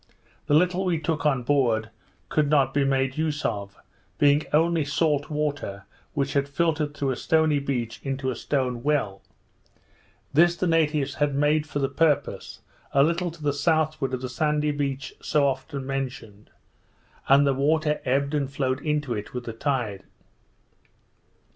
The little we took on board, could not be made use of, it being only salt water which had filtered through a stony beach into a stone well; this the natives had made for the purpose, a little to the southward of the sandy beach so often mentioned, and the water ebbed and flowed into it with the tide.